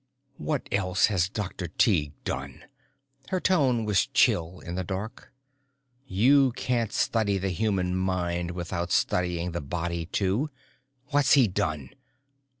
"What else has Dr. Tighe done?" Her tone was chill in the dark. "You can't study the human mind without studying the body too. What's he done?